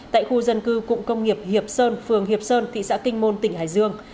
tại khu dân cư cụng công nghiệp hiệp sơn phường hiệp sơn thị xã kinh môn tỉnh hải dương